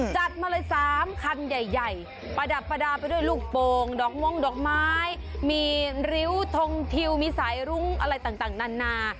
จัดมาเลย๓คันใหญ่ประดับประดาษไปด้วยลูกโป่งดอกม่วงดอกไม้มีริ้วทงทิวมีสายรุ้งอะไรต่างนานา